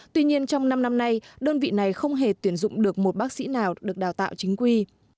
tuy nhiên trong năm năm nay đơn vị này không hề tuyển dụng được một bác sĩ nào được đào tạo chính quy